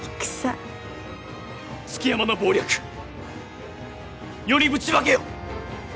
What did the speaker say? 築山の謀略世にぶちまけよ！